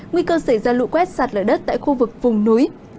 nguy cơ xảy ra lũ quét sạt lở đất tại khu vực vùng núi